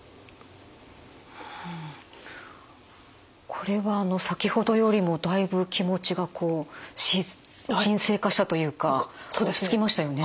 これはあの先ほどよりもだいぶ気持ちがこう沈静化したというか落ち着きましたよね。